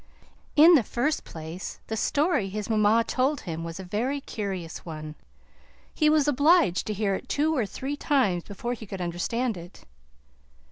In the first place, the story his mamma told him was a very curious one. He was obliged to hear it two or three times before he could understand it.